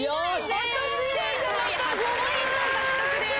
８ポイント獲得です。